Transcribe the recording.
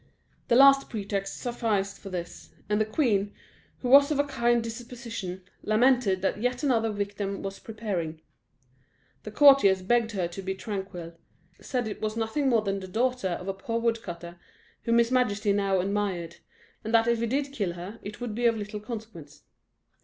The least pretext sufficed for this; and the queen, who was of a kind disposition, lamented that yet another victim was preparing. The courtiers begged her to be tranquil; said it was nothing more than the daughter of a poor woodcutter whom his majesty now admired, and that if he did kill her, it would be of little consequence.